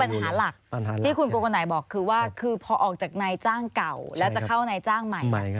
อันนี้คือปัญหาหลักที่คุณโกกันไหนบอกคือว่าคือพอออกจากแน่นแจ้งเก่าแล้วจะเข้าแน่นแจ้งใหม่